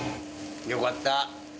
よかった。